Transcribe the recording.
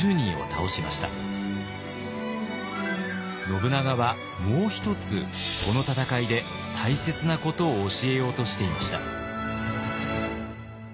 信長はもう一つこの戦いで大切なことを教えようとしていました。